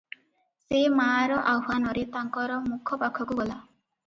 ସେ ମାଆର ଆହ୍ୱାନରେ ତାଙ୍କର ମୁଖ ପାଖକୁ ଗଲା ।